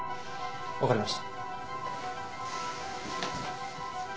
分かりました。